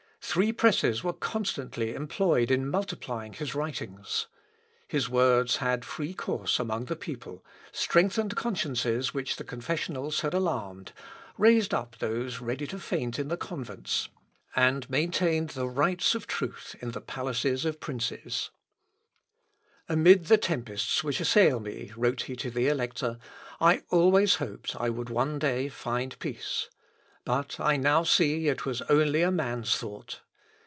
Three presses were constantly employed in multiplying his writings. His words had free course among the people, strengthened consciences which the confessionals had alarmed, raised up those ready to faint in convents, and maintained the rights of truth in the palaces of princes. "Cum tria prela solus ego occupare cogar." (L. Ep. i, p. 558.) "Amid the tempests which assail me," wrote he to the Elector, "I always hoped I would one day find peace. But I now see it was only a man's thought.